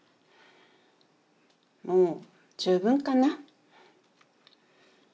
もう十分かな。